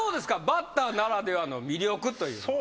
バッターならではの魅力というのは。